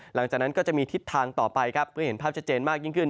หลังจากนั้นก็จะมีทิศทางต่อไปครับเพื่อเห็นภาพชัดเจนมากยิ่งขึ้น